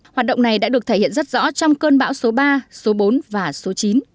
hoạt động này đã được thể hiện rất rõ trong cơn bão số ba số bốn và số chín